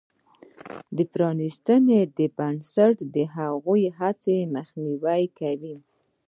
پرانیستي بنسټونه د هغو هڅو مخنیوی کوي.